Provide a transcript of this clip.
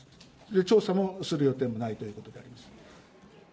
調査もする予定もないということであります。